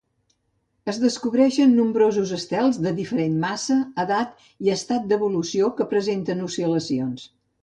Es descobreixen nombrosos estels de diferent massa, edat i estat d'evolució que presenten oscil·lacions.